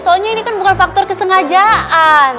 soalnya ini kan bukan faktor kesengajaan